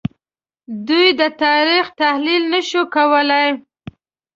دوی د تاریخ تحلیل نه شو کولای